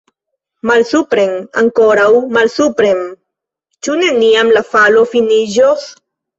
Malsupren, ankoraŭ malsupren! Ĉu neniam la falo finiĝos?